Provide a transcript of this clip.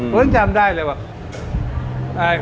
เขาต้องจะคำได้เลยว่า